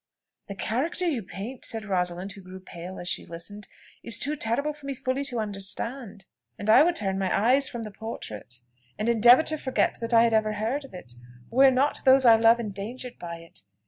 "The character you paint," said Rosalind, who grew pale as she listened, "is too terrible for me fully to understand, and I would turn my eyes from the portrait, and endeavour to forget that I had ever heard of it, were not those I love endangered by it.